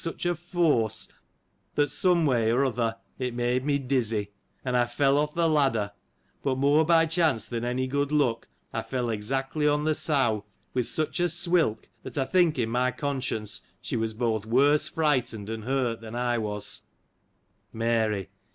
503 such a force, that, someway, or other, it made me dizzy ; and I fell off the ladder ; but, more by chance than any good luck, I fell exactly on the sow, with such a swilk, that, I think in my conscience, she was both worse frightened and hurt than I was, Mary.